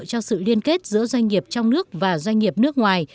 cho sự liên kết giữa doanh nghiệp trong nước và doanh nghiệp nước ngoài